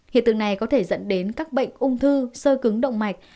hiện tượng này có thể dẫn đến các bệnh ung thư sơ cứng động mạch